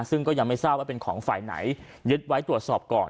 ซึ่งก็ยังไม่ทราบว่าเป็นของฝ่ายไหนยึดไว้ตรวจสอบก่อน